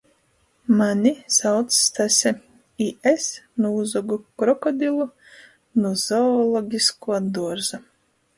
Mani sauc Stase, i es nūzogu krokodilu nu Zoologiskuo duorza...